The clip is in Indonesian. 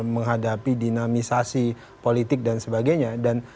menghadapi dinamisasi politik dan sebagainya